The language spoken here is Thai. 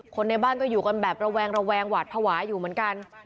คนในบ้านก็อยู่กันแบบระแวงระแวงหวาดภาวะอยู่เหมือนกัน